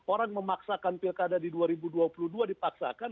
orang memaksakan pilkada di dua ribu dua puluh dua dipaksakan